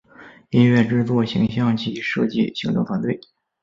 音乐制作形像及设计行政团队